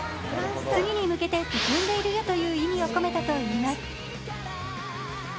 次に向けて進んでいるよという意味を込めたといいます。